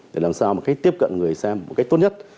để làm sao tiếp cận người xem một cách tốt nhất